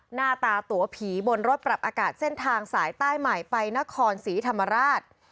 หน้าตาตัวผีบนรถปรับอากาศเส้นทางสายใต้ใหม่ไปนครศรีธรรมราช